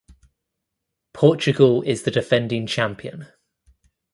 Portugal is the defending champion.